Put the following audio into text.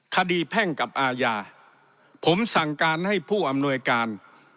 แพ่งกับอาญาผมสั่งการให้ผู้อำนวยการ